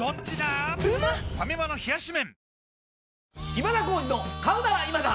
『今田耕司の買うならイマダ』。